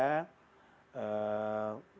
menjadi kota yang memperbaiki